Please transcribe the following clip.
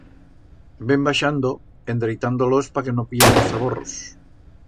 Ven baixando, endreitando-los pa que no pillen los zaborros.